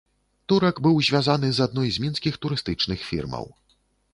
Турак быў звязаны з адной з мінскіх турыстычных фірмаў.